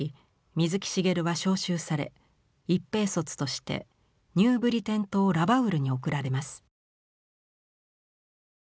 水木しげるは召集され一兵卒としてニューブリテン島ラバウルに送られます。